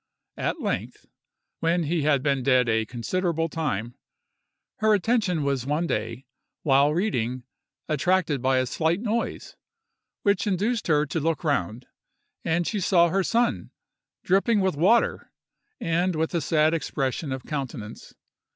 At length, when he had been dead a considerable time, her attention was one day, while reading, attracted by a slight noise, which induced her to look round, and she saw her son, dripping with water, and with a sad expression of countenance.